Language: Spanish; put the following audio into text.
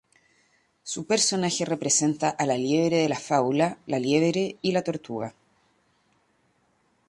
Su personaje representa a liebre de la fábula ""La liebre y la tortuga"".